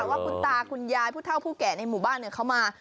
ว่าคุณตาคุณยายผู้เท่าผู้แก่ในหมู่บ้านเขามา